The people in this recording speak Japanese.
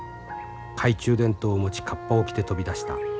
懐中電灯を持ちカッパを着て飛び出した。